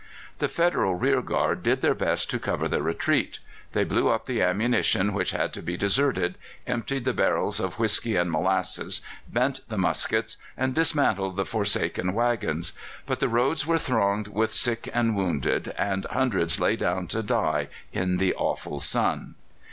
The Federal rearguard did their best to cover the retreat. They blew up the ammunition which had to be deserted, emptied the barrels of whisky and molasses, bent the muskets, and dismantled the forsaken waggons. But the roads were thronged with the sick and wounded, and hundreds lay down to die in the awful sun.